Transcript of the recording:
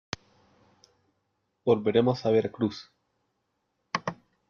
volveremos a Veracruz .